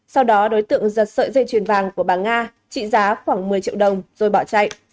sau đó đối tượng giật sợi dây chuyền vàng của bà nga trị giá khoảng một mươi triệu đồng rồi bỏ chạy